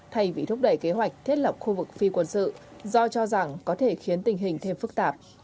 thay vì thúc đẩy kế hoạch thiết lập khu vực phi quân sự do cho rằng có thể khiến tình hình thêm phức tạp